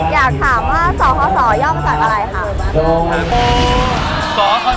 อยากถามว่าสคศย่อมาจากอะไรค่ะ